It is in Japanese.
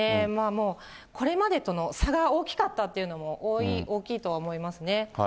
もうこれまでとの差が大きかったというのも大きいとは思いますね。